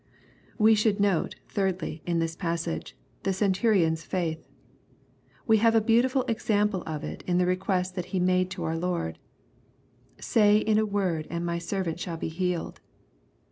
We should notice, thirdly, in this passage, the centuri' on 8 faith. We have a beautiful example of it in the re quest that he made to our Lord :" Say in a word, and my servant shall be healed."